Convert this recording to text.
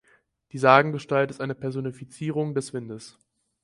Die Sagengestalt ist eine Personifizierung des Windes.